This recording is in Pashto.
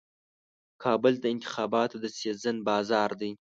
کابل د انتخاباتو د سیزن بازار دی.